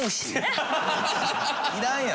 いらんやん！